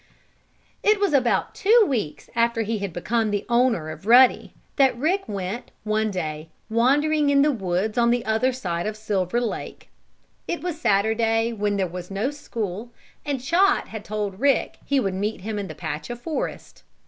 It was about two weeks after he had become the owner of Ruddy that Rick went, one day, wandering in the woods on the other side of Silver Lake. It was Saturday, when there was no school, and Chot had told Rick he would meet him in the patch of forest.